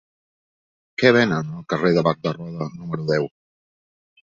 Què venen al carrer de Bac de Roda número deu?